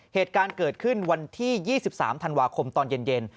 เหตุการณ์เกิดขึ้นวันที่๒๓ธันวาคมตอนเย็น